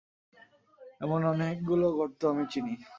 এমন অনেকগুলো গর্ত আমি চিনি।